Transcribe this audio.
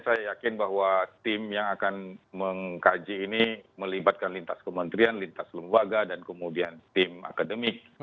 saya yakin bahwa tim yang akan mengkaji ini melibatkan lintas kementerian lintas lembaga dan kemudian tim akademik